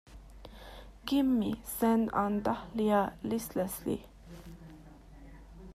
"Gimme," said Aunt Dahlia listlessly.